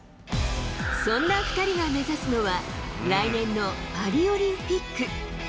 そんな２人が目指すのは、来年のパリオリンピック。